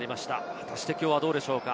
果たしてきょうはどうでしょうか。